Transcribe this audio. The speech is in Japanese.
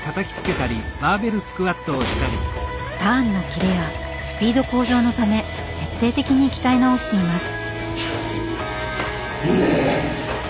ターンの切れやスピード向上のため徹底的に鍛え直しています。